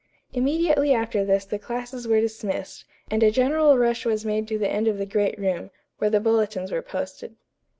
Immediately after this the classes were dismissed, and a general rush was made to the end of the great room, where the bulletins were posted.